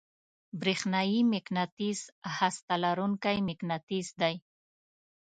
برېښنايي مقناطیس هسته لرونکی مقناطیس دی.